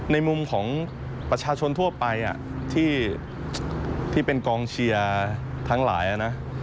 ในมุมของประชาชนทั่วไปที่เป็นกองเชียร์ทั้งหลายนะ